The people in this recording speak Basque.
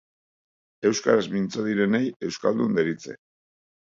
Euskaraz mintzo direnei euskaldun deritze